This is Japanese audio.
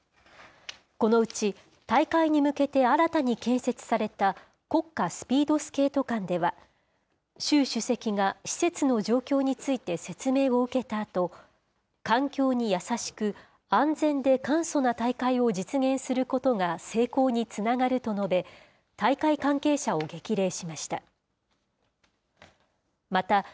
このうち、大会に向けて新たに建設された国家スピードスケート館では、習主席が施設の状況について説明を受けたあと、環境に優しく、安全で簡素な大会を実現することが成功につながると述べ、大会関係者を激励しました。